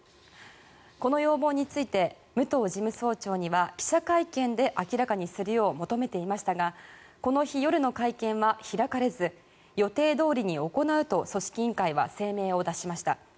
この要望について武藤事務総長には記者会見で明らかにするよう求めていましたがこの日、夜の会見は開かれず予定どおりに行うと組織委員会は声明を出しました。